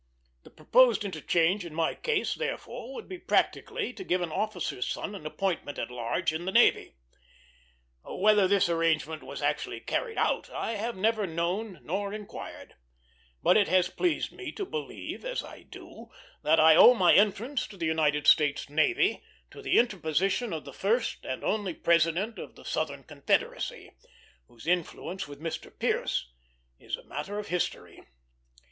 The proposed interchange in my case, therefore, would be practically to give an officer's son an appointment at large in the navy. Whether this arrangement was actually carried out, I have never known nor inquired; but it has pleased me to believe, as I do, that I owed my entrance to the United States navy to the interposition of the first and only President of the Southern Confederacy, whose influence with Mr. Pierce is a matter of history.